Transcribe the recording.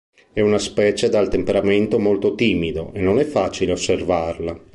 È una specie dal temperamento molto timido, e non è facile osservarla.